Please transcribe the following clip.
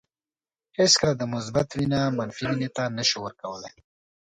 هیڅکله د مثبت وینه منفي وینې ته نشو ورکولای.